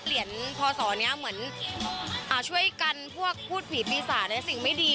เหรียญพศนี้เหมือนช่วยกันพวกพูดผีปีศาจในสิ่งไม่ดี